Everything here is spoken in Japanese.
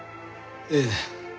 ええ。